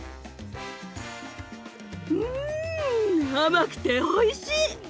うん甘くておいしい！